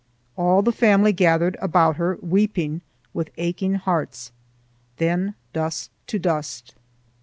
All the family gathered about her, weeping, with aching hearts. Then dust to dust.